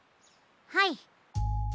はい。